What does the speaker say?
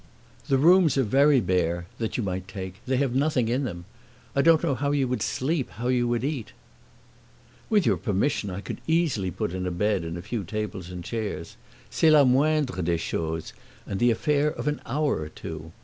The rooms are very bare that you might take; they have nothing in them. I don't know how you would sleep, how you would eat." "With your permission, I could easily put in a bed and a few tables and chairs. C'est la moindre des choses and the affair of an hour or two.